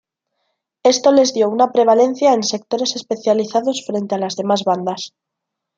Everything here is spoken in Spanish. Esto les dio una prevalencia en sectores especializados frente a las demás bandas.